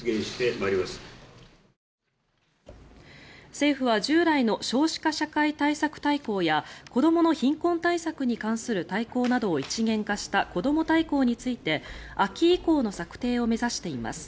政府は従来の少子化社会対策大綱や子どもの貧困対策に関する大綱などを一元化したこども大綱について秋以降の策定を目指しています。